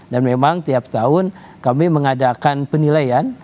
dan memang tiap tahun kami mengadakan penilaian